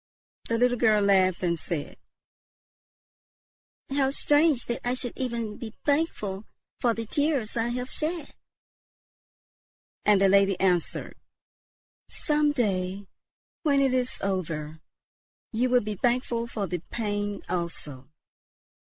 The little girl laughed and said, "How strange that I should ever be thankful for the tears I have shed!" And the lady answered, "Some day, when it is over, you will be thankful for the pain also."